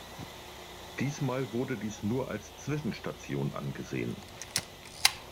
Diesmal wurde diese nur als Zwischenstation angesehen.